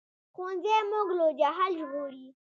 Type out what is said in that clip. ښوونځی موږ له جهل ژغوري